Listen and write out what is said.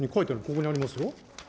ここにありますよ。